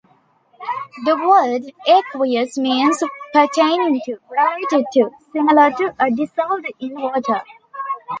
The word "aqueous" means pertaining to, related to, similar to, or dissolved in water.